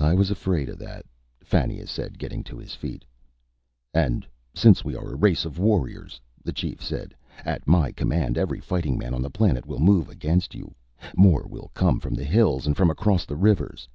"I was afraid of that," Fannia said, getting to his feet. "And since we are a race of warriors," the chief said, "at my command, every fighting man of the planet will move against you. More will come from the hills and from across the rivers."